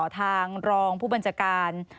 ทางรองผู้บัญชาการ